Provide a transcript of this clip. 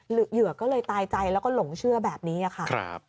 เหยื่อก็เลยตายใจแล้วก็หลงเชื่อแบบนี้ค่ะ